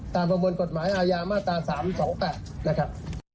ตามข้อมูลกฎหมายอายามตรา๓๒๘นะครับ